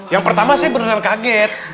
yang pertama saya beneran kaget